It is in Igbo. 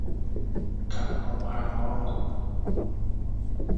ka ọ gbara ha ọkụ